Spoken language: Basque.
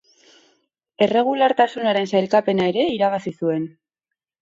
Erregulartasunaren sailkapena ere irabazi zuen.